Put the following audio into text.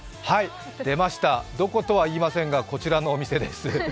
出ました、どことはいいませんがこちらのお店です。